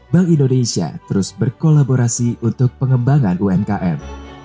bank indonesia terus berkolaborasi untuk pengembangan umkm